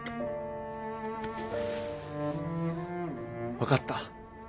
分かった。